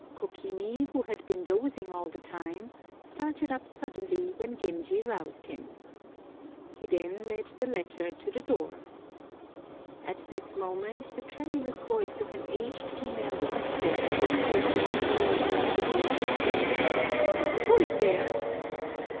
Kokimi, who had been dozing all the time, started up suddenly when Genji roused him. He then led the latter to the door. At this moment, the tremulous voice of an aged female domestic, who appeared quite unexpectedly, exclaimed "Who is there?"